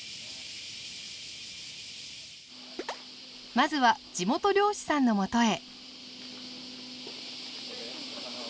まずは地元漁師さんのもとへ。